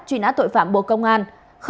truy nã tội phạm bộ công an